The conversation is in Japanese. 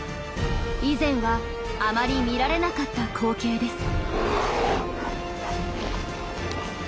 以前はあまり見られなかった光景です。